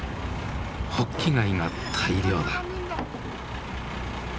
ホッキ貝が大漁だ。